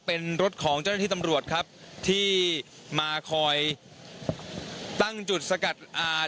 เป็นรถของเจ้าหน้าที่ตำรวจครับที่มาคอยตั้งจุดสกัดอ่า